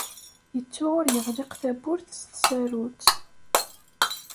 Yettu ur yeɣliq tawwurt s tsarut.